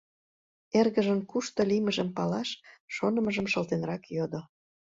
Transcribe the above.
Эргыжын кушто лиймыжым палаш шонымыжым шылтенрак йодо: